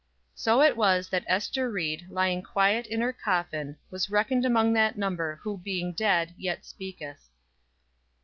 So it was that Ester Ried, lying quiet in her coffin, was reckoned among that number who "being dead, yet speaketh."